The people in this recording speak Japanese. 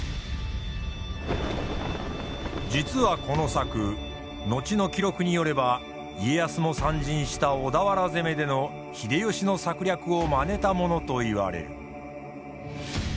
実はこの策後の記録によれば家康も参陣した小田原攻めでの秀吉の策略をまねたものといわれる。